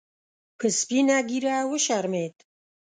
په سپینه ګیره وشرمید